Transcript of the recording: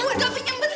gak pegang besar